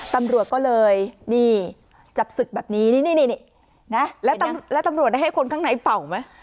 ตำรวจก็เลยนี่จับศึกแบบนี้นี่นะแล้วตำรวจได้ให้คนข้างในเป่าไหม